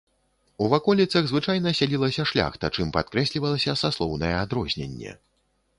У ваколіцах звычайна сялілася шляхта, чым падкрэслівалася саслоўнае адрозненне.